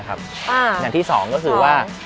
อย่างที่สองก็คือว่า